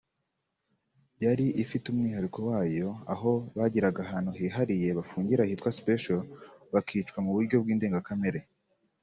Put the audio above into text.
yari ifite umwihariko wayo aho bagiraga ahantu hihariye bafungira hitwa special bakicwa mu buryo bw’indengakamere